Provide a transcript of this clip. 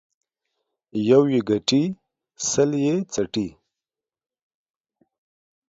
يو يې گټي ، سل يې څټي.